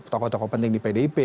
tokoh tokoh penting di pdip